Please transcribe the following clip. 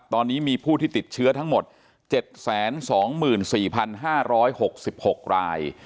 ตอนนี้มีผู้ที่ติดเชื้อทั้งหมดเจ็ดแสนสองหมื่นสี่พันห้าร้อยหกสิบหกราย